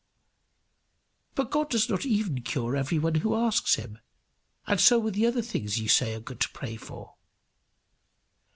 "But God does not even cure every one who asks him. And so with the other things you say are good to pray for."